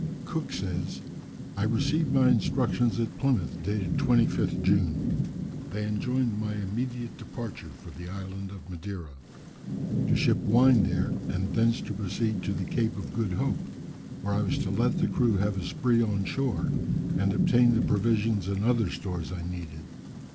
Cook says, "I received my instructions at Plymouth dated 25th June. They enjoined my immediate departure for the island of Madeira. To ship wine there, and thence to proceed to the Cape of Good Hope, where I was to let the crew have a spree on shore, and obtain the provisions and other stores I needed.